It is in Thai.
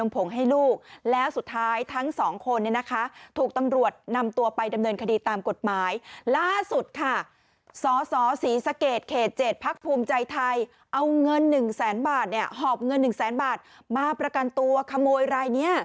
ภูมิใจทัยเอาเงินหนึ่งแสนบาทเนี้ยหอบเงินหนึ่งแสนบาทมาประกันตัวขโมยอะไรเนี้ย